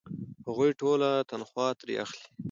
هغوی ټوله تنخوا ترې اخلي.